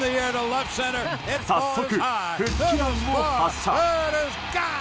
早速、復帰弾を発射！